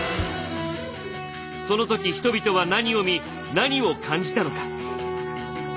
その時人々は何を見何を感じたのか。